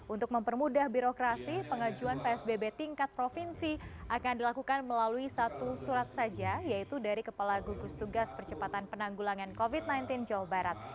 untuk mempermudah birokrasi pengajuan psbb tingkat provinsi akan dilakukan melalui satu surat saja yaitu dari kepala gugus tugas percepatan penanggulangan covid sembilan belas jawa barat